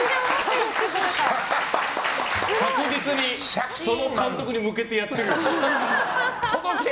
確実にその監督に向けてやってるよね。